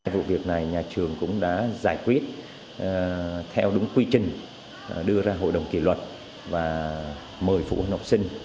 vụ việc này nhà trường cũng đã giải quyết theo đúng quy trình đưa ra hội đồng kỷ luật và mời phụ huynh học sinh